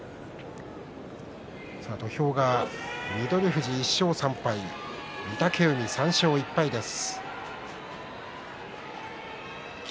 土俵は翠富士２勝３敗御嶽海３勝１敗の対戦です。